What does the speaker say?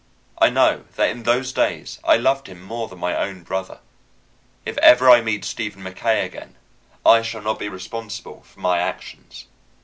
I know that in those days I loved him more than my brother. If ever I meet Stephen Mackaye again, I shall not be responsible for my actions.